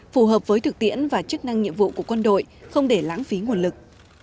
phù hợp với thực tiễn và chức năng nhiệm vụ của quân đội không để lãng phí nguồn lực